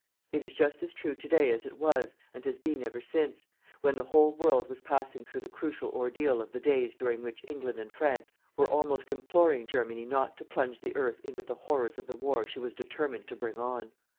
It is just as true to day as it was, and has been ever since, when the whole world was passing through the crucial ordeal of the days during which England and France were almost imploring Germany not to plunge the earth into the horrors of the war she was determined to bring on.